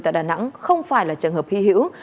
tại đà nẵng không phải là trường hợp hy hữu